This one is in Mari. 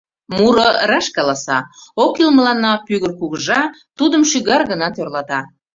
— Муро раш каласа: ок кӱл мыланна пӱгыр кугыжа, тудым шӱгар гына тӧрлата.